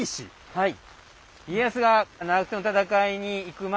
はい。